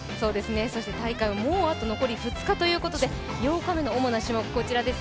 大会はもうあと残り２日ということで、８日目の主な種目はこちらです。